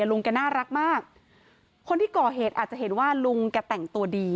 ลุงแกน่ารักมากคนที่ก่อเหตุอาจจะเห็นว่าลุงแกแต่งตัวดี